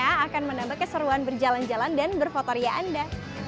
karena akan menambah keseruan berjalan jalan dan berfotoria anda